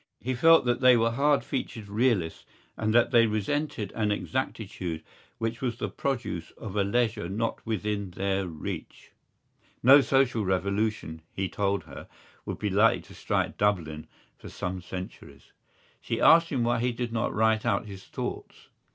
He felt that they were hard featured realists and that they resented an exactitude which was the produce of a leisure not within their reach. No social revolution, he told her, would be likely to strike Dublin for some centuries. She asked him why did he not write out his thoughts.